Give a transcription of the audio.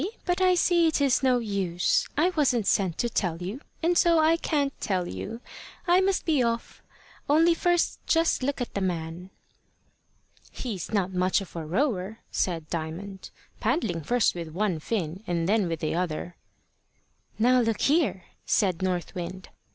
But I see it is no use. I wasn't sent to tell you, and so I can't tell you. I must be off. Only first just look at the man." "He's not much of a rower" said Diamond "paddling first with one fin and then with the other." "Now look here!" said North Wind.